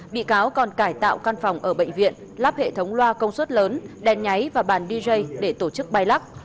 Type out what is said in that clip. bị cáo còn cải tạo căn phòng ở bệnh viện lắp hệ thống loa công suất lớn đèn nháy và bàn dj để tổ chức bay lắc